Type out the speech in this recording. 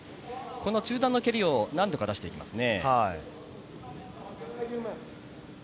中段蹴りを何度か出していきますね。